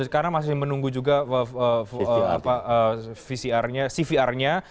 karena masih menunggu juga cvr nya